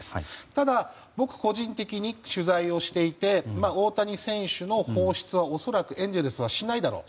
ただ、僕個人的に取材をしていて大谷選手の放出は恐らくエンゼルスはしないだろう。